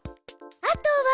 あとは。